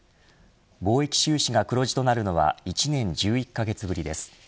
貿易収支が黒字となるのは１年１１カ月ぶりです。